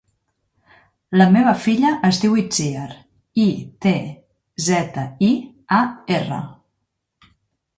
La meva filla es diu Itziar: i, te, zeta, i, a, erra.